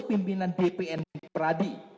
pimpinan dpn peradi